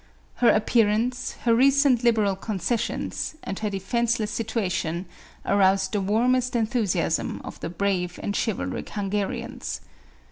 Her appearance, her recent liberal concessions, and her de fenceless situation, aroused the warmest enthusiasm of the brave and chivalric Hungarians.